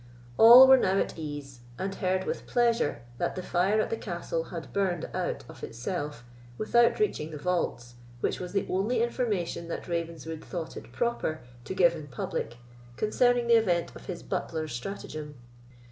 All were now at ease, and heard with pleasure that the fire at the castle had burned out of itself without reaching the vaults, which was the only information that Ravenswood thought it proper to give in public concerning the event of his butler's strategem.